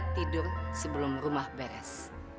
tidur sebelum rumah beres